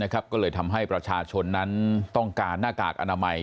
ก็เลยทำให้ประชาชนนั้นต้องการหน้ากากอนามัย